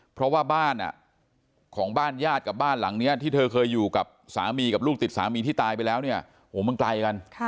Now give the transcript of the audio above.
เพราะว่าบ้านของบ้านญาติกับบ้านหลังนี้ที่เธอเคยอยู่กับสามีกับลูกติดสามีที่ตายไปแล้วเนี่ยโหมันไกลกัน